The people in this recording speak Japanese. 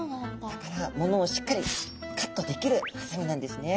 だからものをしっかりカットできるハサミなんですね。